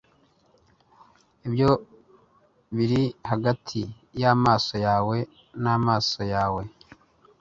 ibyo biri hagati y'amaso yawe n'amaso yawe